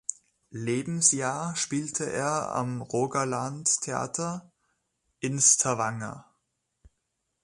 Lebensjahr spielte er am Rogaland Theater in Stavanger.